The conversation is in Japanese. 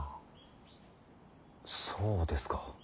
そうですか。